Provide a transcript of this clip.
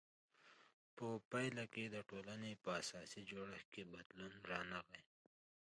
په پایله کې د ټولنې په اساسي جوړښت کې بدلون رانغی.